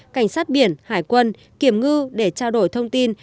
cảnh sát biển hải quân kiểm ngư để trao đổi thông tin